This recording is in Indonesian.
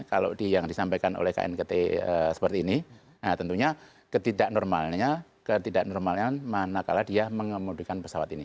kalau yang disampaikan oleh knkt seperti ini tentunya ketidak normalnya manakala dia mengemudikan pesawat ini